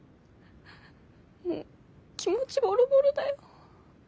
もう気持ちボロボロだよ。